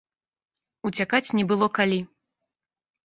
Уцякаць не было калі.